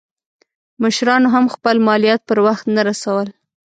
مشرانو هم خپل مالیات پر وخت نه رسول.